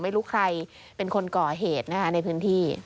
ไม่รู้ใครเป็นคนก่อเหตุนะคะในพื้นที่